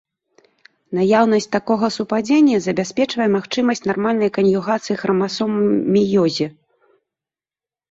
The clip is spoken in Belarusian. Наяўнасць такога супадзення забяспечвае магчымасць нармальнай кан'югацыі храмасом меёзе.